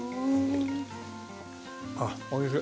あっおいしい。